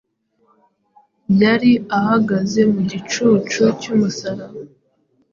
Yari ahagaze mu gicucu cy’umusaraba,